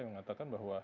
yang mengatakan bahwa